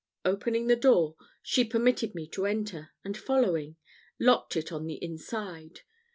Opening the door, she permitted me to enter, and following, locked it on the inside.